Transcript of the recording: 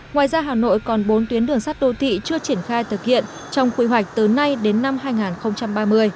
ngoài ra hà nội còn bốn tuyến đường sắt đô thị chưa triển khai thực hiện trong quy hoạch từ nay đến năm hai nghìn ba mươi